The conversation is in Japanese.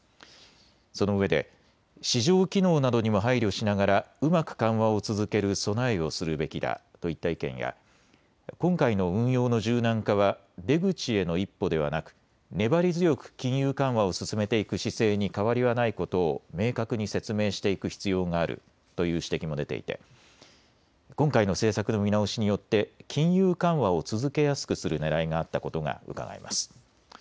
そのうえで市場機能などにも配慮しながらうまく緩和を続ける備えをするべきだといった意見や今回の運用の柔軟化は出口への一歩ではなく粘り強く金融緩和を進めていく姿勢に変わりはないことを明確に説明していく必要があるという指摘も出ていて今回の政策の見直しによって金融緩和を続けやすくするねらいがあったことがうかがえます。